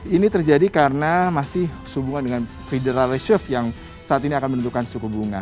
ini terjadi karena masih hubungan dengan federal reserve yang saat ini akan menentukan suku bunga